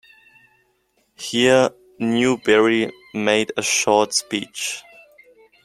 Here Newbery made a short speech.